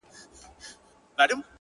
• د ګوربت, باز او شاهین خبري مه کړئ,